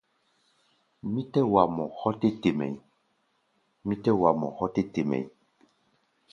Mí tɛ́ wa mɔ hɔ́ tɛ́ te mɛʼí̧.